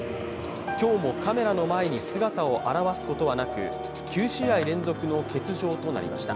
今日もカメラの前に姿を現すことはなく９試合連続の欠場となりました。